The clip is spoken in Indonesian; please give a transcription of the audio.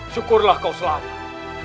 syukurlah kau selamat